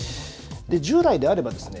従来であればですね